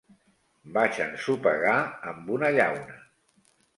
Vaig ensopegar amb una llauna